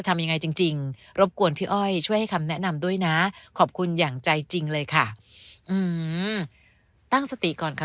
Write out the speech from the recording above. ทำยังไงจริงจริงรบกวนพี่อ้อยช่วยให้คำแนะนำด้วยนะขอบคุณอย่างใจจริงเลยค่ะอืมตั้งสติก่อนค่ะ